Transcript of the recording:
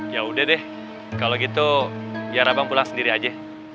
ya udah deh kalau gitu biar abang pulang sendiri aja